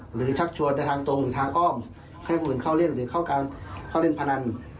ชักชวนในทางตรงหรือทางอ้อมให้คนอื่นเข้าเล่นหรือเข้าการเข้าเล่นพนัน